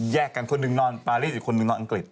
กันคนหนึ่งนอนปารีสอีกคนนึงนอนอังกฤษ